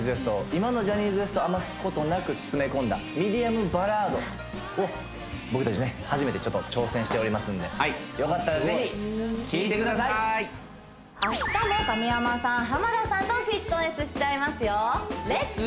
今のジャニーズＷＥＳＴを余すことなく詰め込んだミディアムバラードを僕達ね初めてちょっと挑戦しておりますんでよかったらぜひ聴いてください！とフィットネスしちゃいますよ「レッツ！